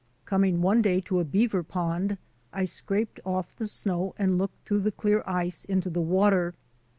Coming one day to a beaver pond I scraped off the snow and looked through the clear ice into the water.